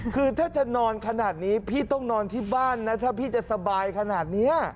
คือถ้าจะนอนขนาดนี้พี่ต้องนอนที่บ้านนะถ้าพี่จะสบายขนาดนี้